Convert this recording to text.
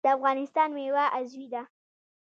د افغانستان میوه عضوي ده